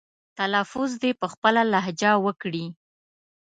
تلفظ دې په خپله لهجه وکړي.